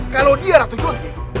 kalau dia ratu junti